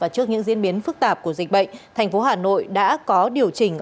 trước những diễn biến phức tạp của dịch bệnh thành phố hà nội đã có điều chỉnh